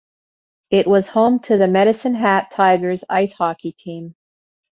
It was home to the Medicine Hat Tigers ice hockey team.